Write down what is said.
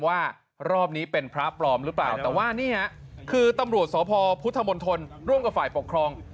ว่ารอบนี้เป็นพระปลอมหรือเปล่าแต่ว่านี่ฮะคือตำรวจสพพุทธมนตรร่วมกับฝ่ายปกครอง